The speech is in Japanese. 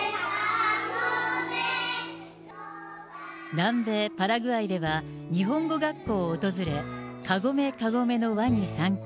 南米パラグアイでは、日本語学校を訪れ、かごめかごめの輪に参加。